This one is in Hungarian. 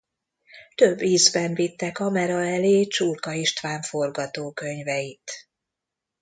Több ízben vitte kamera elé Csurka István forgatókönyveit.